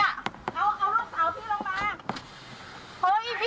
เอาลูกสาวพี่ลงมา